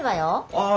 ああ！